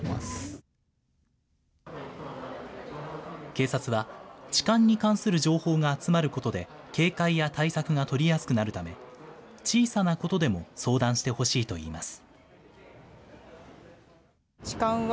警察は、痴漢に関する情報が集まることで、警戒や対策が取りやすくなるため、小さなことでも相談してほしいといいます。